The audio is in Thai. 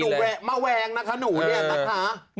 มาแวงนะคะหนูเนี่ยนะคะ